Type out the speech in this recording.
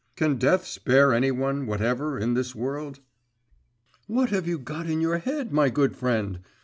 Can death spare any one whatever in this world?' 'What have you got in your head, my good friend?